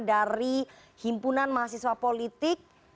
dari himpunan mahasiswa politik